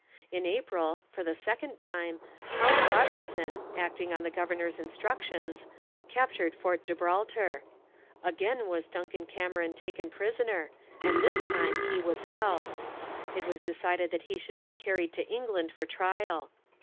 In April, for the second time, Colin Robertson, acting on the governor's instructions, captured Fort Gibraltar. Again was Duncan Cameron taken prisoner, and this time he was held. It was decided that he should be carried to England for trial.